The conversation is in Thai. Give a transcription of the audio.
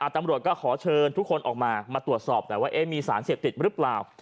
ตำรวจก็ขอเชิญทุกคนออกมามาตรวจสอบแต่ว่ามีสารเสพติดหรือเปล่า